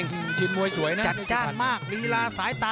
นักมวยจอมคำหวังเว่เลยนะครับ